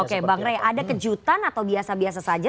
oke bang rey ada kejutan atau biasa biasa saja